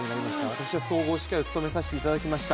私は総合司会を務めさせていただきました。